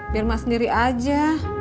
biar mak sendiri aja